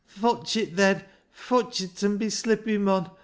" Fotch it, then. Fotch it, an' be slippy, mon